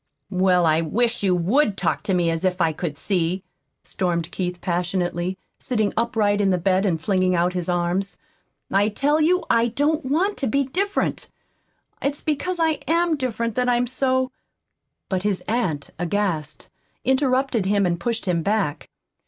"Well, I wish you WOULD talk to me as if I could see," stormed Keith passionately, sitting upright in bed and flinging out his arms. "I tell you I don't want to be different! It's because I AM different that I am so " But his aunt, aghast, interrupted him, and pushed him back.